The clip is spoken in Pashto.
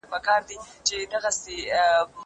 زه به موسيقي اورېدلې وي؟!